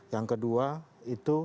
yang kedua itu